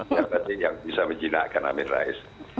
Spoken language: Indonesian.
tapi yang bisa menjinakkan amir rais